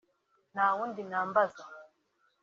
Nta wundi nambaza